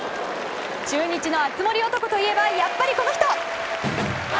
中日の熱盛男といえばやっぱりこの人。